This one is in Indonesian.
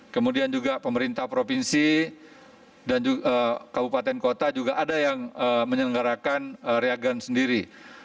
kemudian juga pemerintah provinsi dan kabupaten kota juga ada yang menyelenggarakan reagen sendiri